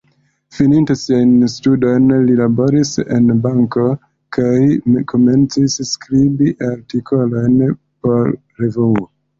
Fininte siajn studojn, li laboris en banko kaj komencis skribi artikolojn por revuoj.